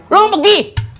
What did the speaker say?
lu mau pergi